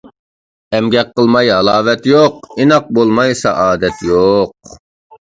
ئەمگەك قىلماي ھالاۋەت يوق، ئىناق بولماي سائادەت يوق.